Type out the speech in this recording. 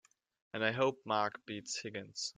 And I hope Mark beats Higgins!